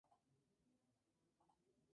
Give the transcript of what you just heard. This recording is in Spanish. En equilibrio, la oferta es igual a la demanda.